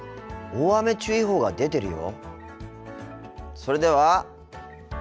大雨注意報が出てるよ。